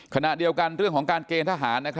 ขณะเดียวกันเรื่องของการเกณฑ์ทหาร